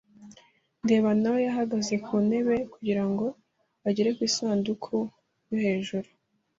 ndeba nayo yahagaze ku ntebe kugira ngo agere ku isanduku yo hejuru.